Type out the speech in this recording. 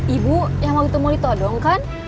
ibu yang mau ditemui todong kan